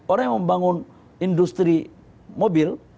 orang yang membangun industri mobil